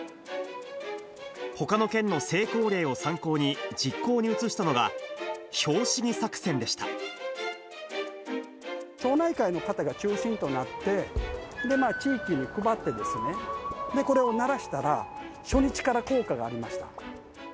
ほかの県の成功例を参考に、実行に移したのが、町内会の方が中心となって、地域に配ってですね、これを鳴らしたら、初日から効果がありました。